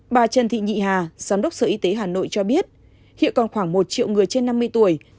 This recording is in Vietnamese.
bà trần thị nhị hà giám đốc sở y tế hà nội cho biết hiện còn khoảng một triệu người trên năm mươi tuổi